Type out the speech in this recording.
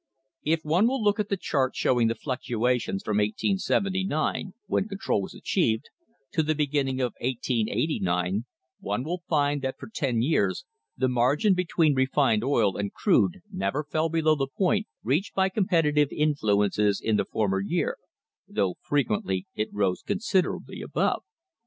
If one will look at the chart showing the fluctuations from 1879, when control was achieved, to the beginning of 1889, one will find that for ten years the margin between refined THE PRICE OF OIL oil and crude never fell below the point reached by com petitive influences in the former year, though frequently it rose considerably above.